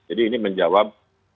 jadi ini menjawab